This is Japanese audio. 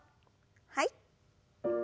はい。